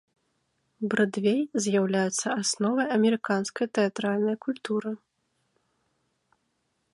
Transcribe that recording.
Брадвей з'яўляецца асновай амерыканскай тэатральнай культуры.